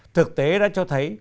thực tế đã cho thấy